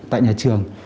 tại nhà trường